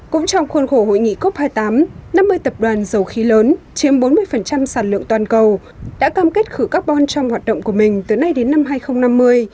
cũng trong khuôn khổ hội nghị cop hai mươi tám năm mươi tập đoàn dầu khí lớn chiếm bốn mươi sản lượng toàn cầu đã cam kết khử carbon trong hoạt động của mình từ nay đến năm hai nghìn năm mươi